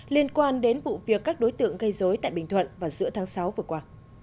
liên quan đến vụ việc các đối tượng gây dối tại bình thuận vào giữa tháng sáu vừa qua